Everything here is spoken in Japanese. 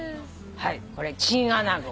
はいこれチンアナゴ。